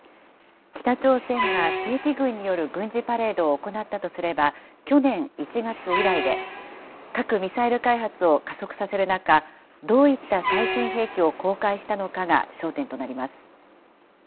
北朝鮮が正規軍による軍事パレードを行ったとすれば、去年１月以来で、核・ミサイル開発を加速させる中、どういった最新兵器を公開したのかが焦点となります。